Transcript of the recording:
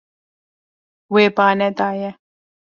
Wê ba nedaye.